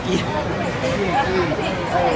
ก็ไม่ได้คิดอะไร